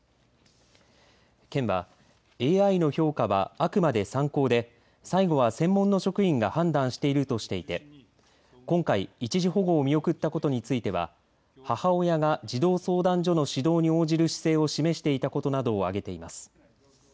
県はＡＩの評価は、あくまで参考で最後は専門の職員が判断しているとしていて今回、一時保護を見送ったことについては母親が児童相談所の指導に応じる姿勢を示していたことなどを挙げています。